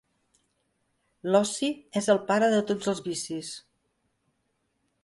L'oci és el pare de tots els vicis.